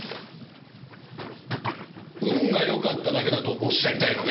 運が良かっただけだとおっしゃりたいので？